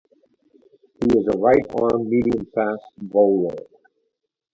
He is a right-arm medium-fast bowler.